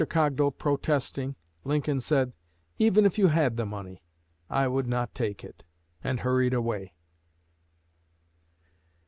Cogdal protesting, Lincoln said, "Even if you had the money, I would not take it," and hurried away.